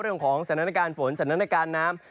เรื่องของสถานการณ์ฝนสถานการณ์น้ำ